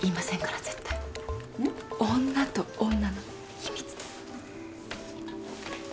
女と女の秘密です。